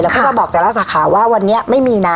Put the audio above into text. แล้วก็มาบอกแต่ละสาขาว่าวันนี้ไม่มีนะ